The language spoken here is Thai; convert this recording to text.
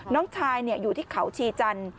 น้องชายอยู่ที่เขาชีจันทร์